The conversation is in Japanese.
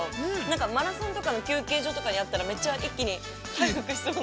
マラソンとかの休憩所とかにあったら、めっちゃ一気に回復しそうな。